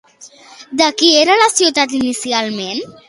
De qui era la ciutat inicialment?